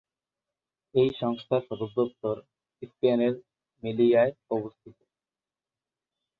এই সংস্থার সদর দপ্তর স্পেনের মেলিয়ায় অবস্থিত।